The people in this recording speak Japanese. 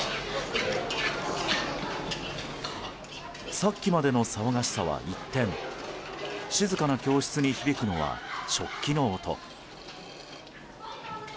さっきまでの騒がしさは一転静かな教室に響くのは食器の音。